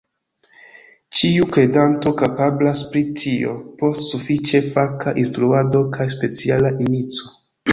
Ĉiu kredanto kapablas pri tio – post sufiĉe faka instruado kaj speciala inico.